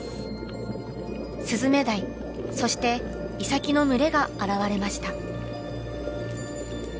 スズメダイそしてイサキの群れが現れました。